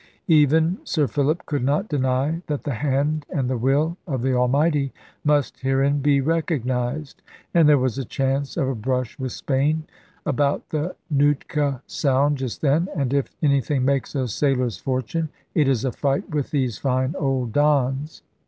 Even Sir Philip could not deny that the hand and the will of the Almighty must herein be recognised. And there was a chance of a brush with Spain, about the Nootka Sound, just then; and if anything makes a sailor's fortune, it is a fight with these fine old Dons.